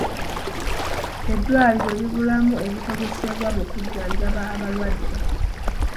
Eddwaliro libulamu ebikozesebwa mu kujjanjaba abalwadde.